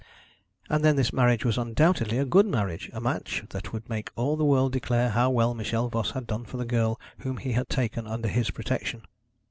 And then this marriage was undoubtedly a good marriage a match that would make all the world declare how well Michel Voss had done for the girl whom he had taken under his protection.